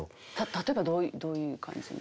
例えばどういう感じの？